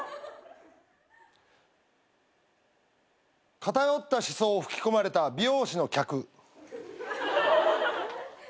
偏った思想を吹き込まれた美容師の客。